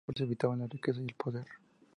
Por eso evitaban la riqueza y el poder.